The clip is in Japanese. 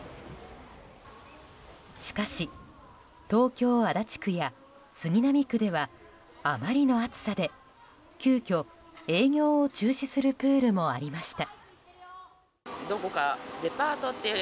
しかし、東京・足立区や杉並区ではあまりの暑さで急きょ営業を中止するプールもありました。